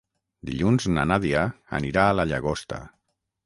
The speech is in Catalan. Dilluns na Nàdia anirà a la Llagosta.